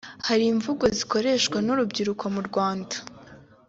Hari imvugo zikoreshwa n’urubyiruko mu Rwanda